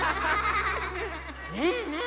ねえねえ